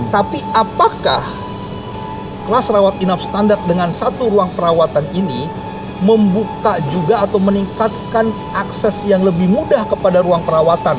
tapi apakah kelas rawat inap standar dengan satu ruang perawatan ini membuka juga atau meningkatkan akses yang lebih mudah kepada ruang perawatan